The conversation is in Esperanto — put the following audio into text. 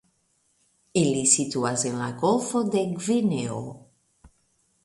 Ili situas en la golfo de Gvineo.